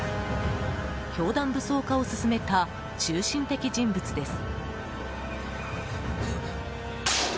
教団武装化を進めた中心的人物です。